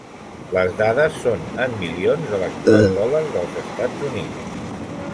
Les dades són en milions de l'actual dòlar dels Estats Units.